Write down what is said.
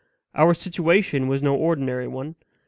Our situation was no ordinary one.